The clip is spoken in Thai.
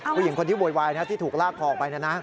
ผู้หญิงคนที่โวยวายนะครับที่ถูกลากคอออกไปนั่นนะ